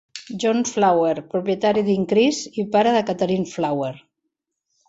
John Flower, propietari d'Increase i pare de Katherine Flower.